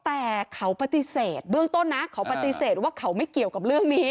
แต่เขาปฏิเสธเบื้องต้นนะเขาปฏิเสธว่าเขาไม่เกี่ยวกับเรื่องนี้